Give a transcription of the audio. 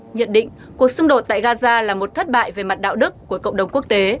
nhận định cuộc xung đột tại gaza là một thất bại về mặt đạo đức của cộng đồng quốc tế